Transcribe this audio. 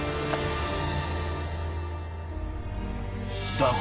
［だが］